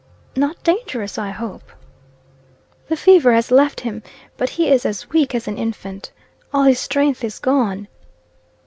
"Not dangerous, I hope?" "The fever has left him, but he is as weak as an infant. All his strength is gone."